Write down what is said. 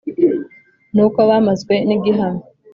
Ni uko bamazwe n'igihami